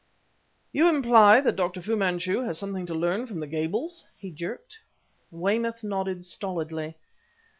"You imply that Dr. Fu Manchu has something to learn from the Gables?" he jerked. Weymouth nodded stolidly.